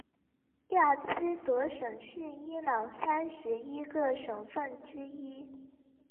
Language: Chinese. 亚兹德省是伊朗三十一个省份之一。